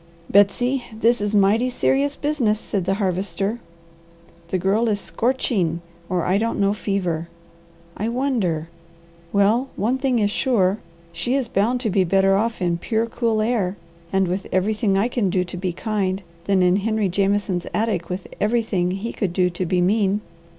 "Betsy, this is mighty serious business," said the Harvester. "The Girl is scorching or I don't know fever. I wonder well, one thing is sure she is bound to be better off in pure, cool air and with everything I can do to be kind, than in Henry Jameson's attic with everything he could do to be mean.